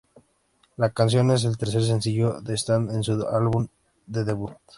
La canción es el tercer sencillo de Stan de su álbum de debut.